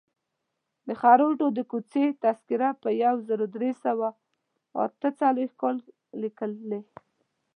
د خروټو د کوڅې تذکره په یو زر درې سوه اته څلویښت کال لیکلې.